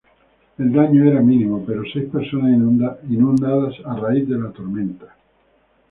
El daño era mínimo, pero seis personas inundadas a raíz de la tormenta.